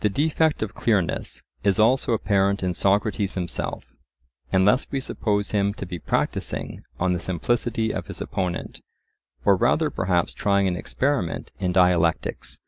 The defect of clearness is also apparent in Socrates himself, unless we suppose him to be practising on the simplicity of his opponent, or rather perhaps trying an experiment in dialectics.